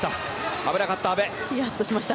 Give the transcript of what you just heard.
危なかった、阿部。